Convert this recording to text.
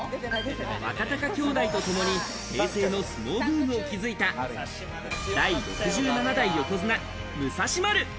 若貴兄弟とともに平成の相撲ブームを築いた、第６７代横綱、武蔵丸。